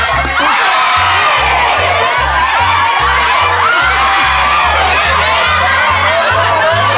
ไทน์ไม่น่ลงเพราะ